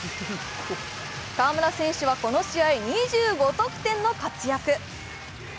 河村選手はこの試合２５得点の活躍。